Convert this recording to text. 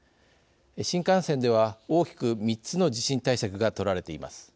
新幹線では大きく３つの地震対策が取られています。